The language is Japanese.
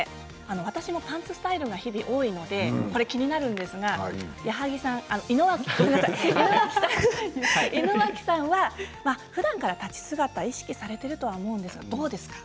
私もパンツスタイルが多いので気になるんですが矢作さん井之脇さんはふだんから立ち姿を意識されていると思いますが、どうですか？